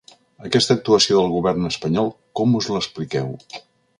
Aquesta actuació del govern espanyol, com us l’expliqueu?